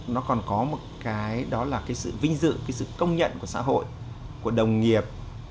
nó còn có một cái đó là sự vinh dự sự công nhận của xã hội của đồng nghiệp